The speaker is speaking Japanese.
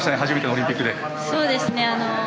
初めてのオリンピックで。